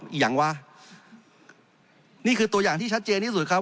จริงโครงการนี้มันเป็นภาพสะท้อนของรัฐบาลชุดนี้ได้เลยนะครับ